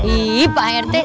iih pak rt